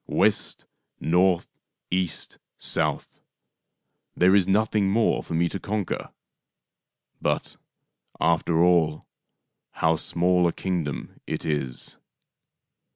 West, north, east, south, there is nothing more for me to conquer. But, after all, how small a kingdom it is